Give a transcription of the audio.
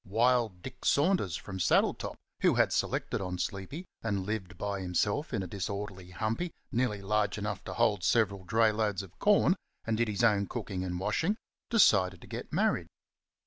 Wild Dick Saunders, from Saddletop, who had selected on Sleepy, and lived by himself in a disorderly humpy nearly large enough to hold several dray loads of corn, and did his own cooking and washing, decided to get married.